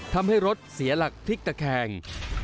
ทำให้รถเสียหลักพลิกตะแคง